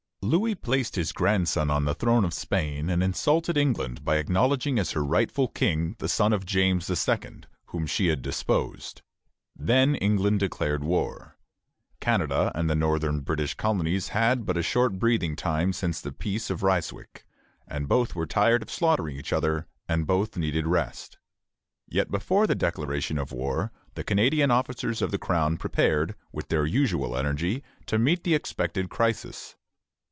Louis placed his grandson on the throne of Spain, and insulted England by acknowledging as her rightful King the son of James II., whom she had deposed. Then England declared war. Canada and the northern British colonies had had but a short breathing time since the Peace of Ryswick; both were tired of slaughtering each other, and both needed rest. Yet before the declaration of war, the Canadian officers of the Crown prepared, with their usual energy, to meet the expected crisis.